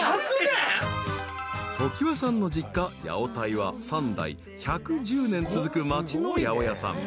［常盤さんの実家八百泰は三代１１０年続く町の八百屋さん］